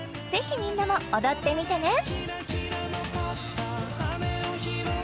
ぜひみんなも踊ってみてね！